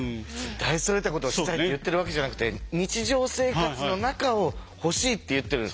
大それたことをしたいって言ってるわけじゃなくて日常生活の中を欲しいって言ってる。